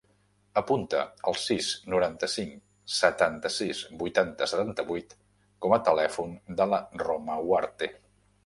Apunta el sis, noranta-cinc, setanta-sis, vuitanta, setanta-vuit com a telèfon de la Roma Huarte.